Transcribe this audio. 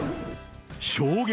衝撃！